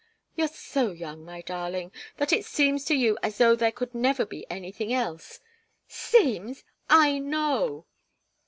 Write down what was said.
"You're so young, my darling, that it seems to you as though there could never be anything else " "Seems! I know."